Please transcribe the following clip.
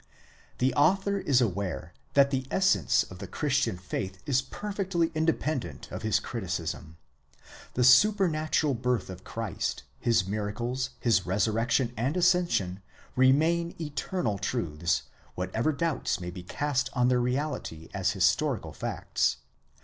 The author is aware that the essence of the Christian faith is perfectly inde pendent of his criticism. The supernatural birth of Christ, his miracles, his resurrection and ascension, remain eternal truths, whatever doubts may be cast on their reality as historical facts.